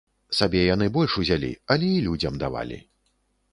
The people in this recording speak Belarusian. Сабе яны больш узялі, але і людзям давалі.